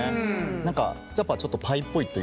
何かやっぱちょっとパイっぽいというか。